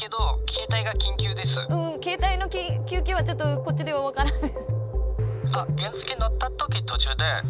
うん携帯の救急はちょっとこっちでは分からない。